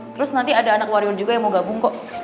terus nanti ada anak wario juga yang mau gabung kok